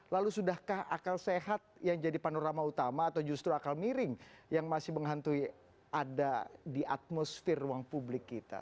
lalu sudahkah akal sehat yang jadi panorama utama atau justru akal miring yang masih menghantui ada di atmosfer ruang publik kita